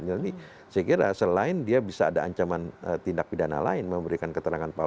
jadi saya kira selain dia bisa ada ancaman tindak pidana lain memberikan keterangan